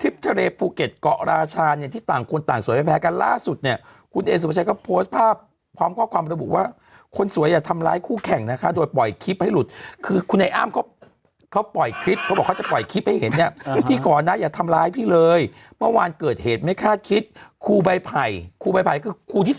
คลิปทะเลภูเก็ตเกาะราชาเนี่ยที่ต่างคนต่างสวยไม่แพ้กันล่าสุดเนี่ยคุณเอสุภาชัยก็โพสต์ภาพพร้อมข้อความระบุว่าคนสวยอย่าทำร้ายคู่แข่งนะคะโดยปล่อยคลิปให้หลุดคือคุณไอ้อ้ำเขาเขาปล่อยคลิปเขาบอกเขาจะปล่อยคลิปให้เห็นเนี่ยพิธีก่อนนะอย่าทำร้ายพี่เลยเมื่อวานเกิดเหตุไม่คาดคิดครูใบไผ่ครูใบไผ่คือครูที่